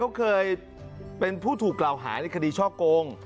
เขาเคยเป็นผู้ถูกกล่าวหาในคดีช่อโกง